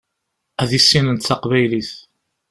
Ad issinent taqbaylit.